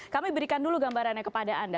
kami berikan dulu gambarannya kepada anda